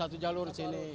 satu jalur sini